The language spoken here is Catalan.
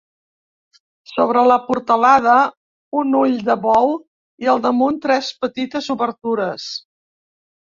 Sobre la portalada, un ull de bou i al damunt, tres petites obertures.